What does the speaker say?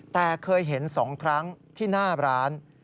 แต่เคยเห็น๒ครั้งที่หน้าร้าน